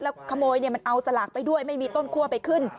ขโมยมันเอาสลากไปด้วยไม่มีต้นคั่วไปขึ้น